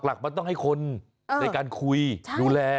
หลักมันต้องให้คนในการคุยดูแล